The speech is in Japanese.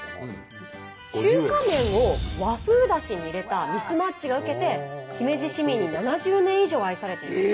中華麺を和風だしに入れたミスマッチが受けて姫路市民に７０年以上愛されています。